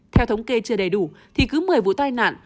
theo thống kê chưa đầy đủ thì cứ một mươi vụ tai nạn